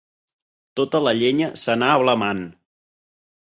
Tota la llenya s'anà ablamant.